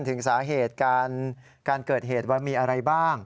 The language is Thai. ถึงสาเหตุการเกิดเหตุว่ามีอะไรบ้าง